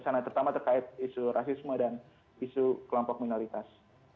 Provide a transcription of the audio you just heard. di sana terutama terkait isu rasisme dan isu kelompok minoritas